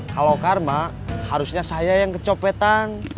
kalau karma harusnya saya yang kecopetan